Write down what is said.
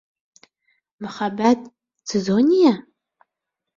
Мөхәббәт, Цезония?